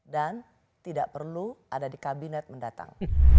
dan tidak perlu ada di kabinet mendatang